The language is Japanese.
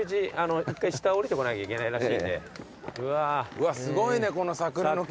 うわすごいねこの桜の木。